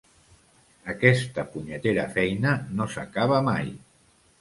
Aquesta punyetera feina no s'acaba mai!